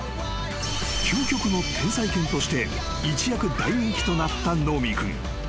［究極の天才犬として一躍大人気となったヌオミー君］